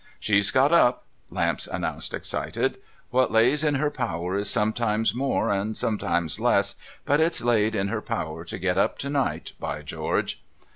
' She's got up !' Lamps announced, excited. ' What lays in her power is sometimes more, and sometimes less ; but it's laid in her power to get up to night, by George